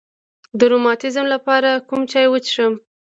د روماتیزم لپاره کوم چای وڅښم؟